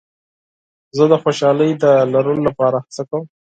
زه د خوشحالۍ د لرلو لپاره هڅه کوم.